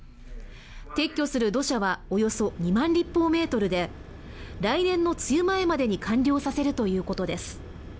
撤去する土砂はおよそ２万立方メートルで来年の梅雨前までに完了させるということです。